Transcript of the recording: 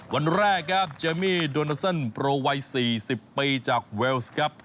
วันแรกครับเจมี่โดนัซันโปรวัย๔๐ปีจากเวลส์ครับ